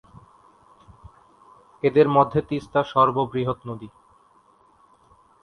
এদের মধ্যে তিস্তা সর্ববৃহৎ নদী।